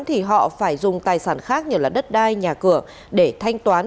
thì họ phải dùng tài sản khác như đất đai nhà cửa để thanh toán